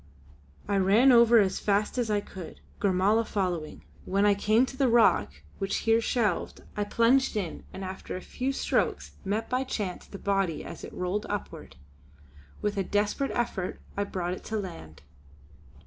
I ran over as fast as I could, Gormala following. When I came to the rock, which here shelved, I plunged in and after a few strokes met by chance the body as it rolled upward. With a desperate effort I brought it to land.